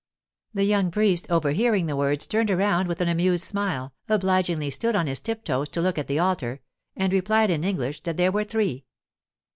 The young priest, overhearing the words, turned around with an amused smile, obligingly stood on his tiptoes to look at the altar, and replied in English that there were three.